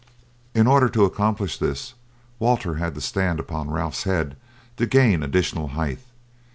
In order to accomplish this Walter had to stand upon Ralph's head to gain additional height.